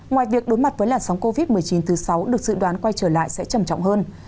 ngoài việc đối mặt với làn sóng covid một mươi chín thứ sáu được dự đoán quay trở lại sẽ trầm trọng hơn